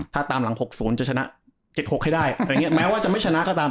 ถ้าตามหลัง๖๐จะชนะ๗๖ให้ได้อะไรอย่างนี้แม้ว่าจะไม่ชนะก็ตาม